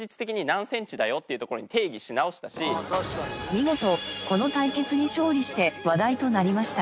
見事この対決に勝利して話題となりました。